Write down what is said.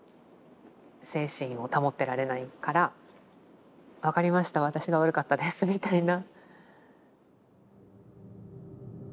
精神を保ってられないから「分かりました私が悪かったです」みたいな。